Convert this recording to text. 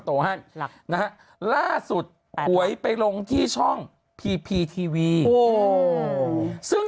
โตให้หลักนะฮะล่าสุดป่วยไปลงที่ช่องพีพีทีวีโอ้ซึ่ง